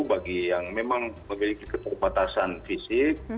bagi yang memang memiliki keterbatasan fisik